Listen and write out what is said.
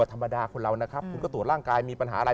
ธรรมดาคนเรานะครับคุณก็ตรวจร่างกายมีปัญหาอะไร